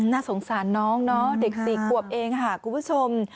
น่าสงสารน้องเนาะเด็ก๔ขวบเองค่ะคุณผู้ชม